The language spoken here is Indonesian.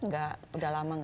gak udah lama gak gitu